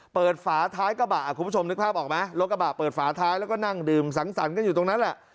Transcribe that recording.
ฝาท้ายกระบะคุณผู้ชมนึกภาพออกไหมรถกระบะเปิดฝาท้ายแล้วก็นั่งดื่มสังสรรค์กันอยู่ตรงนั้นแหละ